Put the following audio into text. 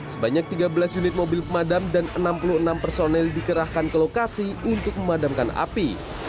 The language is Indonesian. sebanyak tiga belas unit mobil pemadam dan enam puluh enam personel dikerahkan ke lokasi untuk memadamkan api